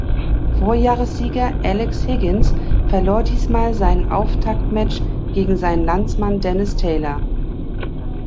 Vorjahressieger Alex Higgins verlor diesmal sein Auftaktmatch gegen seinen Landsmann Dennis Taylor.